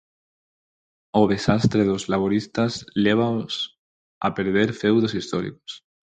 O desastre dos laboristas lévaos a perder feudos históricos.